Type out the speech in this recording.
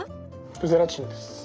ゼラチンです。